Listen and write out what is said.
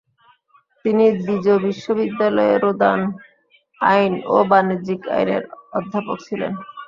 তিনি দিজোঁ বিশ্ববিদ্যালয়ে রোমান আইন ও বাণিজ্যিক আইনের অধ্যাপক ছিলেন।